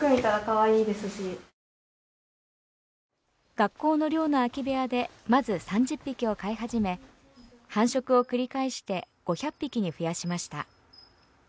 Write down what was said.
学校の寮の空き部屋で、まず３０匹を飼い始め、繁殖を繰り返して５００匹に増やしました。